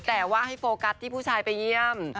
แต่ว่าให้โฟกัสที่ผู้ชายไปเยี่ยม